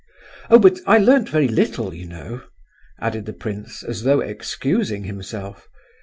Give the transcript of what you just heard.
"Oh, but I learned very little, you know!" added the prince, as though excusing himself.